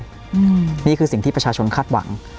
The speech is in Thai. นี่คือความที่สิ่งที่ประชาชนคาดหวัง